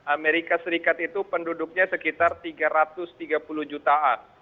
amerika serikat itu penduduknya sekitar tiga ratus tiga puluh jutaan